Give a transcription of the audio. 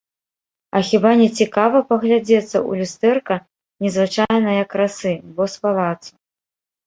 А хіба нецікава паглядзецца ў люстэрка незвычайнае красы, бо з палацу.